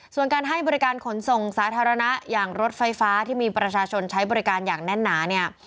ส่วนการให้บริการขนส่งสาธารณะอย่างรถไฟฟ้าที่มีประชาชนใช้บริการอย่างแน่นหนาเนี่ย